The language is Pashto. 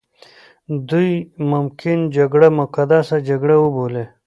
دوی ممکن جګړه مقدسه جګړه وبولي.